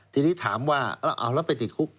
ทีนี้ถามว่าเอาแล้วไปติดคุก